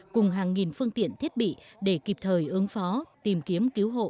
cùng hàng nghìn phương tiện thiết bị để kịp thời ứng phó tìm kiếm cứu hộ